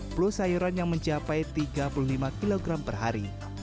plus sayuran yang mencapai tiga puluh lima kg per hari